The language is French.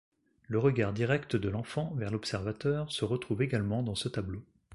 Le regard direct de l'enfant vers l'observateur se retrouve également dans ce tableau.